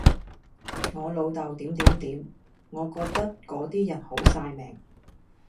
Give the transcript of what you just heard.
我老豆點點點，我覺得嗰啲人好曬命